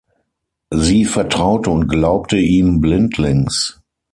Sie vertraute und glaubte ihm blindlings.